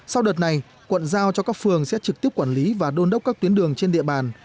sau đợt này quận giao cho các phường sẽ trực tiếp quản lý và đôn đốc các tuyến đường trên địa bàn